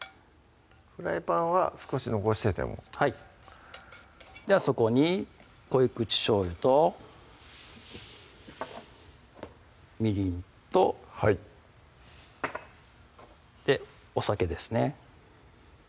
フライパンは少し残しててもはいではそこに濃い口しょうゆとみりんとお酒ですね